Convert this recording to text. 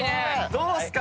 どうっすか？